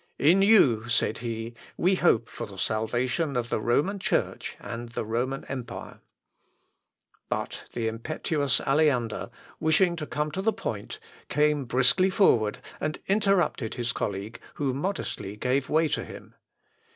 "In you," said he, "we hope for the salvation of the Roman Church and the Roman empire." [Sidenote: THE NUNCIOS AND THE ELECTOR.] But the impetuous Aleander, wishing to come to the point, came briskly forward, and interrupted his colleague, who modestly gave way to him.